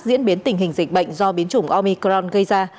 diễn biến tình hình dịch bệnh do biến chủng omicron gây ra